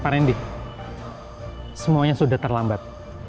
pak randy semuanya sudah terlambat